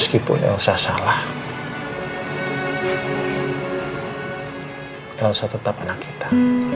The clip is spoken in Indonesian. meskipun elsa salah elsa tetap anak kita